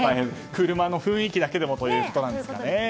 車の雰囲気だけでもということなんですかね。